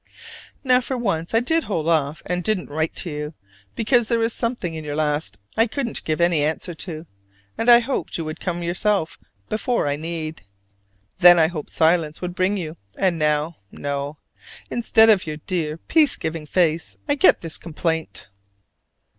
Now, for once, I did hold off and didn't write to you: because there was something in your last I couldn't give any answer to, and I hoped you would come yourself before I need. Then I hoped silence would bring you: and now no! instead of your dear peace giving face I get this complaint!